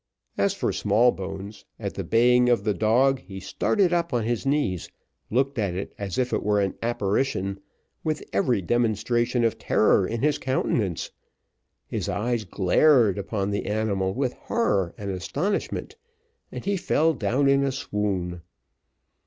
As for Smallbones, at the baying of the dog, he started up on his knees, and looked at it as if it were an apparition, with every demonstration of terror in his countenance; his eyes glared upon the animal with horror and astonishment, and he fell down in a swoon.